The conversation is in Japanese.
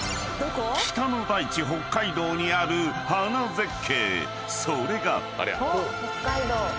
［北の大地北海道にある花絶景］